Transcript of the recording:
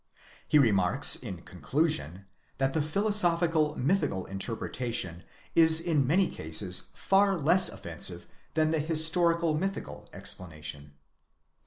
He remarks in conclusion that the philosophical mythical inter pretation is in many cases far less offensive than the historical mythical explanation.